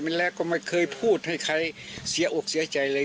มันแล้วก็ไม่เคยพูดให้ใครเสียอกเสียใจเลย